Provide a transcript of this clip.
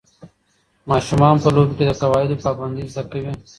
ماشومان په لوبو کې د قواعدو پابندۍ زده کوي.